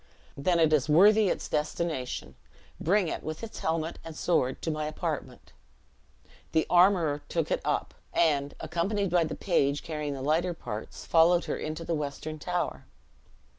"Then it is worthy its destination. Bring it, with its helmet and sword, to my apartment." The armorer took it up; and, accompanied by the page carrying the lighter parts, followed her into the western tower.